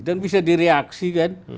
dan bisa direaksi kan